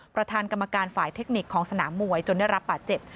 ประธานกรรมการฝ่ายเทคนิคของสนามมวยจนได้รับบาดเจ็บ